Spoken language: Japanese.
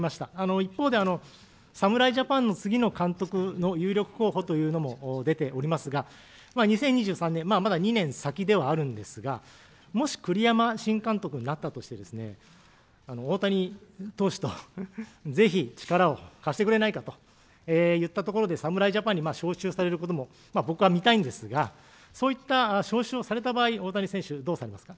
一方で、侍ジャパンの次の監督の有力候補というのも出ておりますが、２０２３年、まだ２年先ではあるんですが、もし栗山新監督になったとして、大谷投手とぜひ力を貸してくれないかといったところで、侍ジャパンに招集されるところも僕は見たいんですが、そういった招集をされた場合、大谷選手、どうされますか。